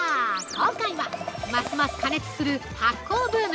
今回はますます過熱する発酵ブーム。